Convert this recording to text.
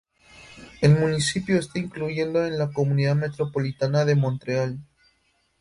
El municipio está incluyendo en la Comunidad metropolitana de Montreal.